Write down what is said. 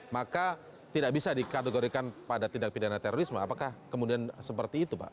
maka tidak bisa dikategorikan pada tindak pidana terorisme apakah kemudian seperti itu pak